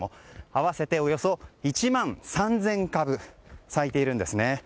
合わせておよそ１万３０００株咲いているんですね。